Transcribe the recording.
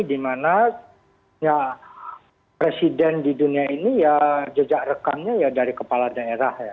dimana presiden di dunia ini ya jejak rekannya ya dari kepala daerah ya